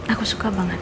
aku suka banget